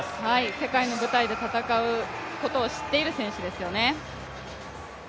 世界の舞台で戦うことを知っている選手ですよね。